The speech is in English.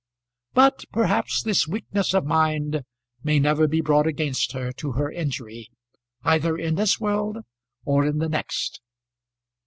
But, perhaps, this weakness of mind may never be brought against her to her injury, either in this world or in the next.